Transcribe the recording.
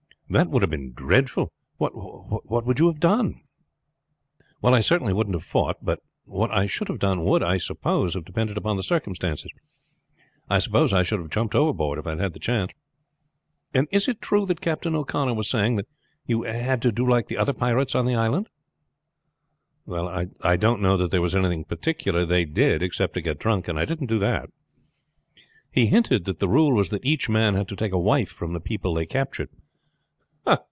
"That would have been dreadful. What would you have done?" "Well, I certainly wouldn't have fought; but what I should have done would, I suppose, have depended upon circumstances. I suppose I should have jumped overboard if I had the chance." "And is it true what Captain O'Connor was saying, that you had to do like the other pirates on the island?" "I don't know that there was anything particular they did, except to get drunk, and I didn't do that." "He hinted that the rule was that each man had to take a wife from the people they captured."